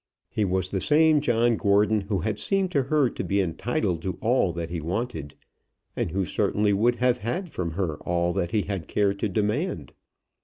He was the same John Gordon who had seemed to her to be entitled to all that he wanted, and who certainly would have had from her all that he had cared to demand.